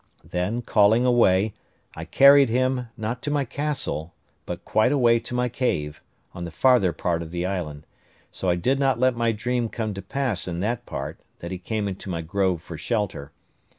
Then, calling away, I carried him, not to my castle, but quite away to my cave, on the farther part of the island: so I did not let my dream come to pass in that part, that he came into my grove for shelter.